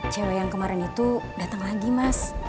cewek yang kemarin itu datang lagi mas